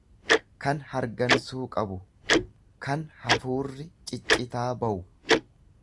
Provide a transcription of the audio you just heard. kan hargansuu qabu, kan hafuurri ciccitaa bawu.